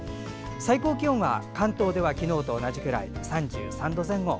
最高気温は関東では昨日と同じくらいで３３度前後。